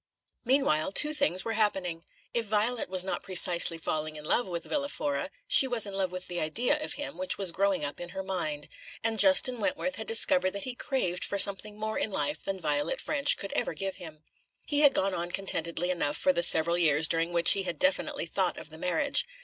Meanwhile, two things were happening. If Violet was not precisely falling in love with Villa Fora, she was in love with the idea of him which was growing up in her mind; and Justin Wentworth had discovered that he craved for something more in life than Violet Ffrench could ever give him. He had gone on contentedly enough for the several years during which he had definitely thought of the marriage.